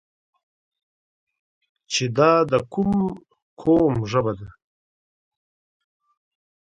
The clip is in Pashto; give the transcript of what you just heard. چې دا د کوم قوم ژبه ده؟